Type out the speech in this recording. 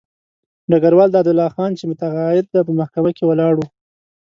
ډګروال دادالله خان چې متقاعد دی په محکمه کې ولاړ وو.